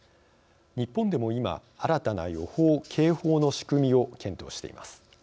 日本でも今新たな予報・警報の仕組みを検討しています。